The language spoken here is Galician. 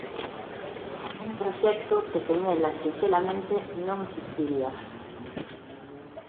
Un proxecto que sen elas sinxelamente non existiría.